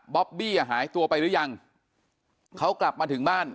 อบบี้อ่ะหายตัวไปหรือยังเขากลับมาถึงบ้าน